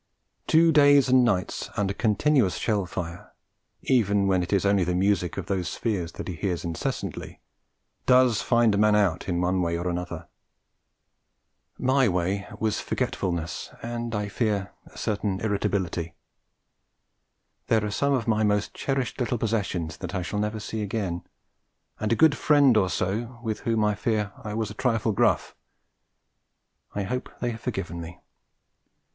Two days and nights under continuous shell fire, even when it is only the music of those spheres that he hears incessantly, does find a man out in one way or another. My way was forgetfulness and, I fear, a certain irritability. There are some of my most cherished little possessions that I shall never see again, and a good friend or so with whom I fear I was a trifle gruff. I hope they have forgiven me.